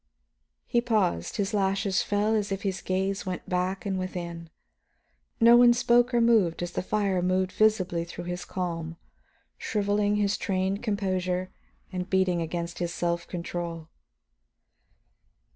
He paused, his lashes fell as if his gaze went back and within. No one moved or spoke as the fire mounted visibly through his calm, shriveling his trained composure and beating against his self control.